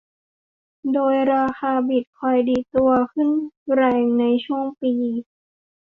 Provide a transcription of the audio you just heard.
โดยราคาบิตคอยน์ดีดตัวขึ้นแรงในช่วงปี